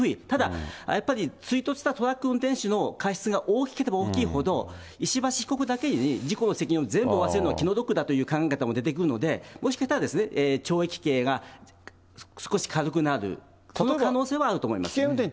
ただ、やっぱり追突したトラック運転手の過失が大きければ大きいほど、石橋被告だけに事故の責任を全部負わせるのは気の毒だという考え方も出てくるので、もしかしたら懲役刑が少し軽くなる、その可能性はあると思いますね。